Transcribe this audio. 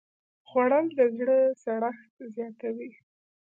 خوړل د زړه سړښت زیاتوي